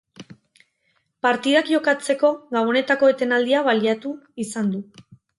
Partidak jokatzeko Gabonetako etenaldia baliatu izan du.